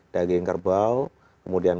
daging kerbau kemudian